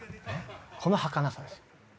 このはかなさですよ。